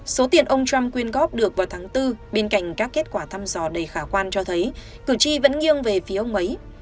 số tiền ông trump quyên góp được vào tháng bốn bên cạnh các kết quả thăm dò đầy khả quan cho thấy cử tri vẫn nghiêng về phía ông ấy